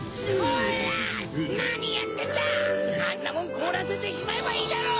あんなもんこおらせてしまえばいいだろう！